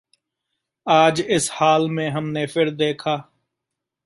ਆਜ ਇਸ ਹਾਲ ਮੇਂ ਹਮ ਨੇ ਫਿਰ ਦੇਖਾ